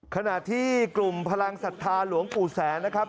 ขณะที่กลุ่มพลังศรัทธาหลวงปู่แสนนะครับ